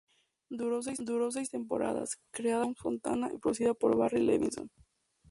Duró seis temporadas; creada por Tom Fontana y producida por Barry Levinson.